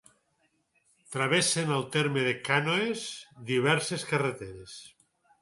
Travessen el terme de Cànoes diverses carreteres.